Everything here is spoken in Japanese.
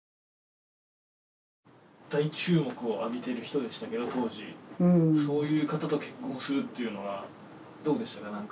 大注目を浴びている人でしたけど当時そういう方と結婚するっていうのはどうでしたか？